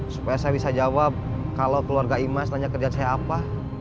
supaya saya bisa jawab kalau keluarga imas nanya kerja saya apa